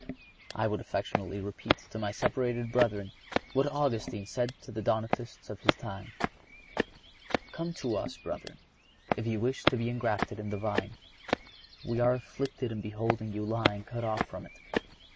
I would affectionately repeat to my separated brethren what Augustine said to the Donatists of his time: "Come to us, brethren if you wish to be engrafted in the vine. We are afflicted in beholding you lying cut off from it.